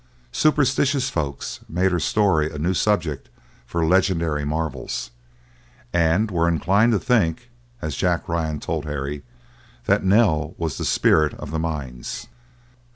Superstitious folks made her story a new subject for legendary marvels, and were inclined to think, as Jack Ryan told Harry, that Nell was the spirit of the mines.